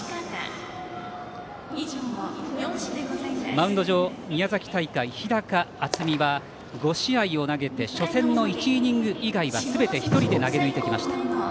マウンド上、宮崎大会日高暖己は５試合を投げて初戦の１イニング以外はすべて１人で投げ抜いてきました。